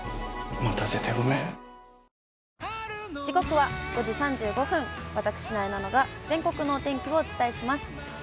時刻は５時３５分、私、なえなのが全国のお天気をお伝えします。